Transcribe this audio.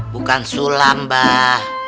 bukan sulam bah